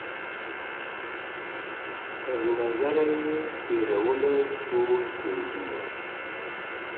تر نظر يې تېروله ټول كونجونه.